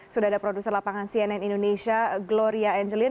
sudah ada produser lapangan cnn indonesia gloria angelin